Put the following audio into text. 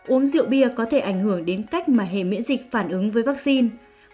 uống rượu bia có thể ảnh hưởng đến cách mà hệ miễn dịch phản ứng với vaccine